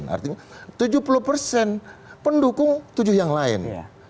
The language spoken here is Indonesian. artinya tujuh puluh persen pendukung tujuh yang lain